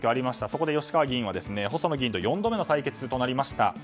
そこで吉川議員は細野議員と４度目の対決となりました。